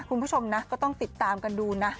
คุณผู้ชมนะก็ต้องติดตามกันดูนะ